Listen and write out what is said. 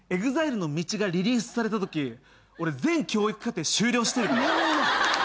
ＥＸＩＬＥの『道』がリリースされたとき俺全教育課程修了してるから。